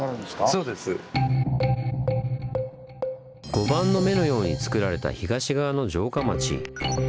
碁盤の目のようにつくられた東側の城下町。